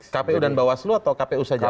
kpu dan bawaslu atau kpu saja